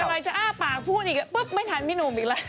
ทำไมจะอ้าปากพูดอีกไม่ทันมินูมอีกแล้ว